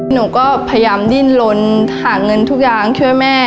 หนูก็พยายามดิ้นลนหาเงินทุกอย่างช่วยแม่